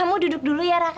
kamu duduk dulu ya raka